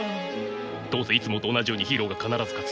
どうせいつもと同じようにヒーローが必ず勝つ。